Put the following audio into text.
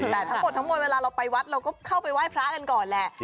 แต่ทั้งหมดทั้งมวลเวลาเราไปวัดเราก็เข้าไปไหว้พระกันก่อนแหละ